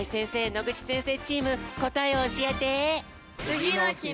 野口先生チームこたえをおしえて。